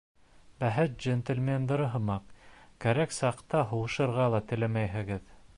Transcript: Бәхет джентльмендары һымаҡ, кәрәк саҡта һуғышырға ла теләмәйһегеҙ.